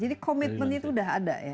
jadi komitmen itu sudah ada ya